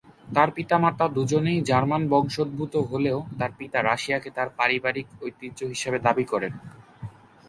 তার পিতামাতা দুজনেই জার্মান বংশোদ্ভূত হলেও তার পিতা রাশিয়াকে তার পারিবারিক ঐতিহ্য হিসেবে দাবী করেন।